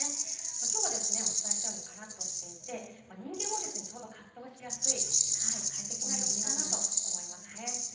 今日はお伝えしたように、カラッとしていて、人間もちょうど活動しやすい、快適な陽気かなと思いますね。